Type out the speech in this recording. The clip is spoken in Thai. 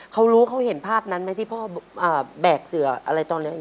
เขารู้เขาเห็นภาพนั้นไหมที่พ่อแบกเสืออะไรตอนนี้